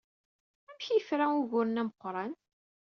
Amek ay yefra ugur-nni ameqran?